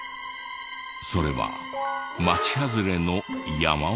それは町外れの山奥。